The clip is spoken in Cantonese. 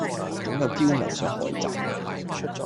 總有刁民想害朕